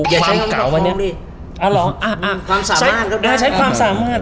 อย่าใช้ความประคองดิอ่าเหรออ่าอ่าความสามารณ์ใช้ความสามารณ์